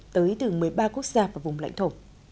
tới từ một mươi ba quốc gia và vùng lãnh thổ